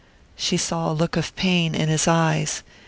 She saw a look of pain in his eyes.